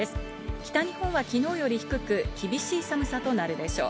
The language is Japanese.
北日本は昨日より低く、厳しい寒さとなるでしょう。